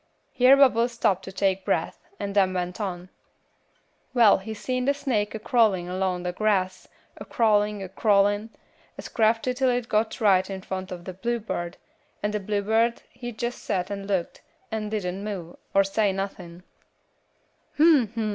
Here Bubbles stopped to take breath, and then went on, "Well, he seen the snake a crawlin' along the grass, a crawlin', a crawlin', as crafty till it got right in front of the bluebird, and the bluebird he jess set and looked, and didn't move, or say nothin'. "'Hm!